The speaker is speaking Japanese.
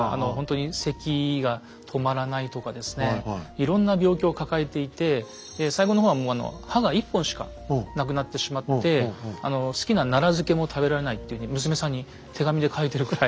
いろんな病気を抱えていて最後の方はもう歯が一本しかなくなってしまって好きな奈良漬も食べられないっていうふうに娘さんに手紙で書いてるぐらい。